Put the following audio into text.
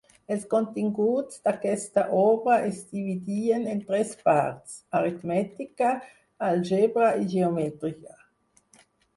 Els continguts, d'aquesta obra es dividien en tres parts; aritmètica, àlgebra i geometria.